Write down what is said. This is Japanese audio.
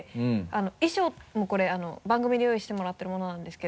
衣装もこれ番組で用意してもらってるものなんですけど。